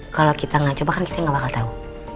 kalo kita gak coba kan kita gak bakal tau